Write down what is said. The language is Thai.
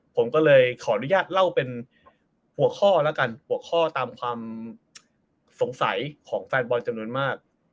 ผมก็เลยขออนุญาตเล่าเป็นหัวข้อแล้วกันหัวข้อตามความสงสัยของแฟนบอลจำนวนมาก